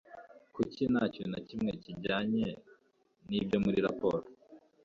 Kuki nta kintu na kimwe kijyanye nibyo muri raporo